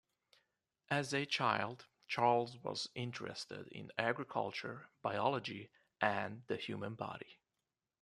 As a child, Charles was interested in agriculture, biology, and the human body.